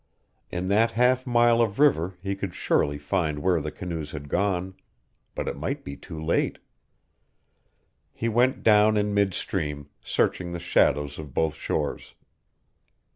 In that half mile of river he could surely find where the canoes had gone, but it might be too late. He went down in mid stream, searching the shadows of both shores.